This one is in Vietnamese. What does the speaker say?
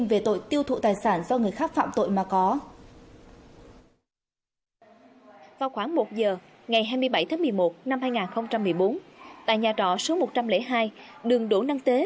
vào khoảng một giờ ngày hai mươi bảy tháng một mươi một năm hai nghìn một mươi bốn tại nhà trọ số một trăm linh hai đường đỗ năng tế